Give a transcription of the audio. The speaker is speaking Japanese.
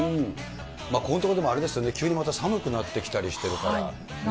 ここのところあれですよね、急にまた寒くなってきたりしてるからね。